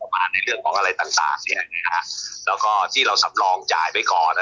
คือจากที่เราเสียงไว้นะครับ